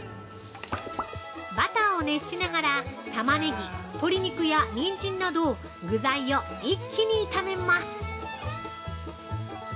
バターを熱しながらタマネギ鶏肉やにんじんなど具材を一気に炒めます。